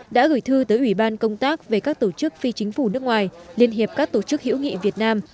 đã gửi thư tới ủy ban công tác về các tổ chức phi chính phủ nước ngoài liên hiệp các tổ chức hữu nghị việt nam